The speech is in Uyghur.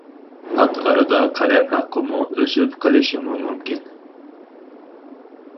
پات ئارىدا قەلەم ھەققىمۇ ئۆسۈپ قېلىشىمۇ مۇمكىن.